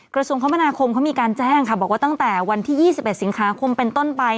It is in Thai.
กระทรวงคมนาคมเขามีการแจ้งค่ะบอกว่าตั้งแต่วันที่๒๑สิงหาคมเป็นต้นไป